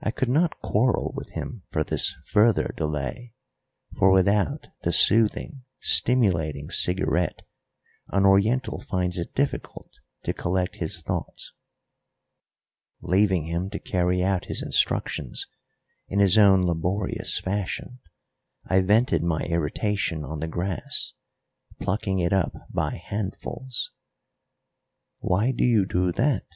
I could not quarrel with him for this further delay, for without the soothing, stimulating cigarette an Oriental finds it difficult to collect his thoughts. Leaving him to carry out his instructions in his own laborious fashion, I vented my irritation on the grass, plucking it up by handfuls. "Why do you do that?"